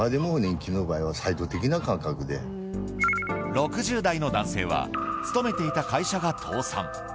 ６０代の男性は勤めていた会社が倒産。